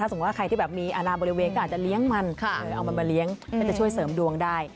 สมมุติว่าใครที่แบบมีอาณาบริเวณก็อาจจะเลี้ยงมันเอามันมาเลี้ยงก็จะช่วยเสริมดวงได้